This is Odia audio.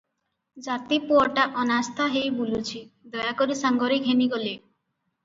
ଜାତିପୁଅଟା ଅନାସ୍ଥା ହେଇ ବୁଲୁଛି, ଦୟାକରି ସାଙ୍ଗରେ ଘେନିଗଲେ ।